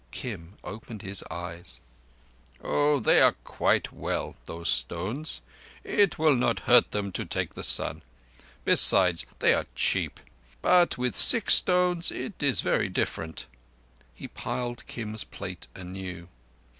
Kim opened his eyes. "Oh, they are quite well, those stones. It will not hurt them to take the sun. Besides, they are cheap. But with sick stones it is very different." He piled Kim's plate anew.